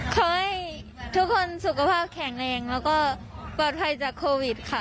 ขอให้ทุกคนสุขภาพแข็งแรงแล้วก็ปลอดภัยจากโควิดค่ะ